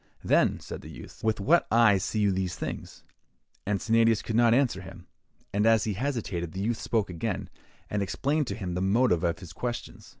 'Then,' said the youth, 'with what eyes see you these things?' And Sennadius could not answer him; and as he hesitated, the youth spoke again, and explained to him the motive of his questions.